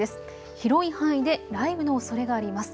広い範囲で雷雨のおそれがあります。